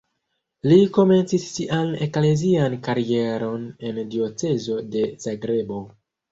Li komencis sian eklezian karieron en diocezo de Zagrebo.